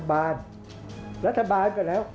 ภาคอีสานแห้งแรง